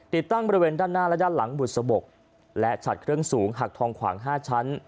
ติดตั้งบริเวณด้านหน้าและด้านหลังบุษบกและฉัดเครื่องสูงหักทองขวาง๕ชั้น